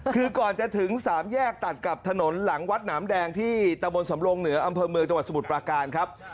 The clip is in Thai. คือก่อนจะถึงสามแยกตัดกับถนนหลังวัดหนามแดงที่ตะบนสำรงเหนืออำเภอเมืองจังหวัดสมุทรปราการครับ